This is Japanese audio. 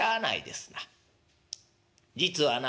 実はな